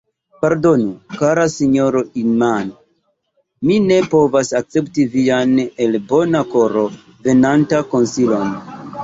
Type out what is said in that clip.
Pardonu, kara sinjoro Inman; mi ne povas akcepti vian, el bona koro venantan konsilon.